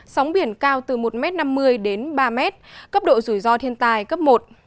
sóng biển cao từ một năm mươi m đến ba m cấp độ rủi ro thiên tài cấp một